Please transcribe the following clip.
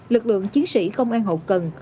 lực lượng chiến sĩ công an hậu cần